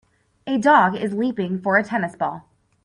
A dog is leaping for a tennis ball.